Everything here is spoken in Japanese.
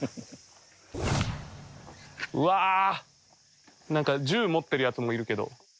わ何か銃持ってるやつもいるけど。